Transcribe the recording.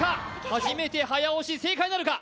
初めて早押し正解なるか？